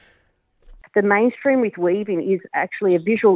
penerbangan di galeri adalah sebenarnya visual